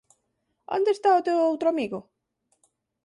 Onde está o teu outro amigo?